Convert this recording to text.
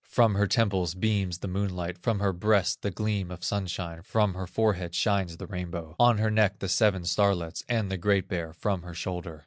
From her temples beams the moonlight, From her breast, the gleam of sunshine, From her forehead shines the rainbow, On her neck, the seven starlets, And the Great Bear from her shoulder.